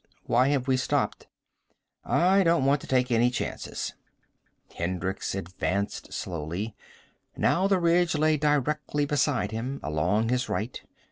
"Why have we stopped?" "I don't want to take any chances." Hendricks advanced slowly. Now the ridge lay directly beside him, along his right.